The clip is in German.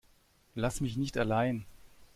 Lass mich nicht allein.